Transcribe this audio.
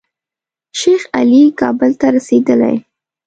شیخ علي کابل ته رسېدلی.